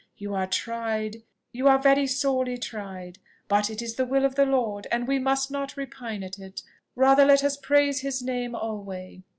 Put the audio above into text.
you are tried, you are very sorely tried. But it is the will of the Lord, and we must not repine at it: rather let us praise his name alway!"